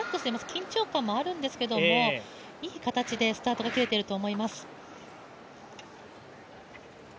緊張感もあるんですけれどもいい形でスタートが切れていると思います。